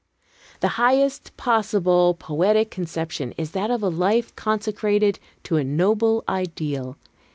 The highest possible poetic conception is that of a life consecrated to a noble ideal.